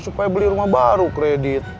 supaya beli rumah baru kredit